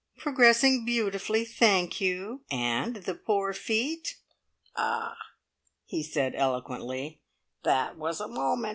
"Progressing beautifully, thank you. And the poor feet?" "Ah," he said eloquently, "that was a moment!